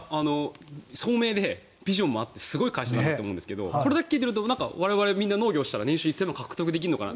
聡明で、ビジョンもあってすごい会社だなと思うんですけどこれだけ聞いていると我々みんな農業したら年収１０００万円獲得できるのかな。